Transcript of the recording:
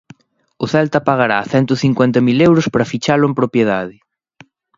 O Celta pagará cento cincuenta mil euros para fichalo en propiedade.